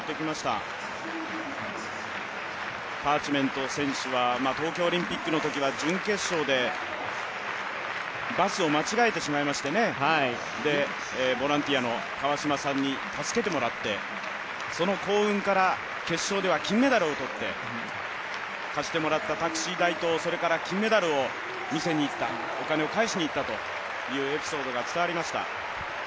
パーチメント選手は東京オリンピックのときは準決勝でバスを間違えてしまいまして、ボランティアの河島さんに助けてもらってその幸運から、決勝では金メダルをとって、貸してもらったタクシー代と金メダルを見せにいってお金を返しにいったというエピソードが伝わりました。